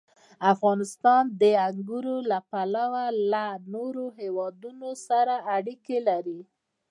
افغانستان د انګورو له پلوه له نورو هېوادونو سره اړیکې لري.